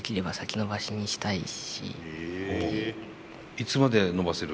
いつまで延ばせる？